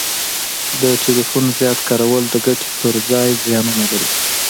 د ټلیفون زیات کارول د ګټي پر ځای زیانونه لري